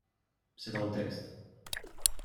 C’est dans le texte